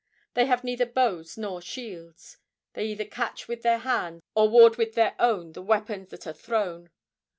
They have neither bows nor shields. They either catch with their hands or ward with their own the weapons that are thrown.